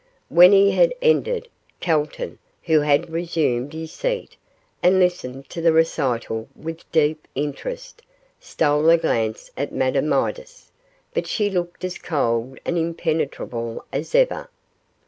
When he had ended, Calton, who had resumed his seat, and listened to the recital with deep interest, stole a glance at Madame Midas, but she looked as cold and impenetrable as ever.